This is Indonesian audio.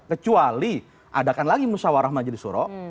kecuali adakan lagi musyawarah majelis suro